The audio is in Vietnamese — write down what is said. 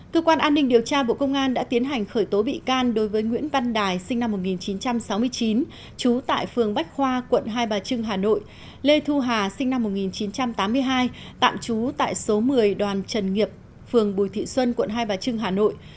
cơ quan an ninh điều tra bộ công an đã tiến hành khởi tố bị can đối với nguyễn văn đài sinh năm một nghìn chín trăm sáu mươi chín trú tại phường bách khoa quận hai bà trưng hà nội lê thu hà sinh năm một nghìn chín trăm tám mươi hai tạm trú tại số một mươi đoàn trần nghiệp phường bùi thị xuân quận hai bà trưng hà nội